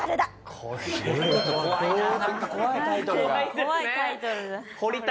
怖いタイトルだ。